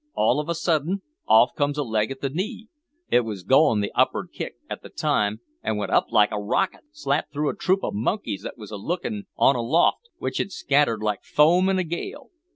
All of a sudden off comes a leg at the knee. It was goin' the up'ard kick at the time, an' went up like a rocket, slap through a troop o' monkeys that was lookin' on aloft, which it scattered like foam in a gale.